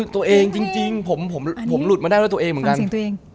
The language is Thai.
ตัวเองจริงผมหลุดมาได้ด้วยตัวเองเหมือนกัน